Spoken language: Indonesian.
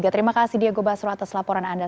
terima kasih diego basro atas laporan anda